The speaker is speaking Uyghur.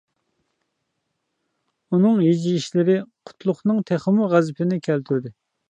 ئۇنىڭ ھىجىيىشلىرى قۇتلۇقنىڭ تېخىمۇ غەزىپىنى كەلتۈردى.